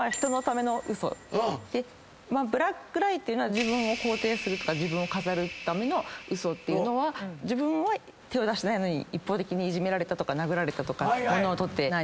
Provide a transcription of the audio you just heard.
ブラックライは自分を肯定する自分を飾るためのウソというのは手を出してないのに一方的にいじめられたとか殴られたとか物を取ってない。